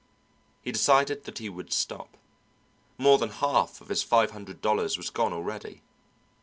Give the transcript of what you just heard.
He decided that he would stop; more than half of his five hundred dollars was gone already.